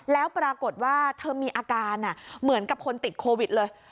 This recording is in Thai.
แล้วปรากฏว่าเธอมีอาการเหมือนกับคนติดโควิดเลย